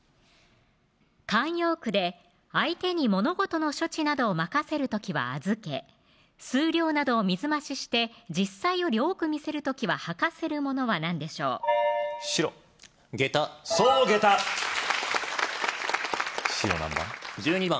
慣用句で相手に物事の処置などを任せる時は「預け」数量などを水増しして実際より多く見せる時は「履かせる」ものは何でしょう白下駄そう下駄白何番？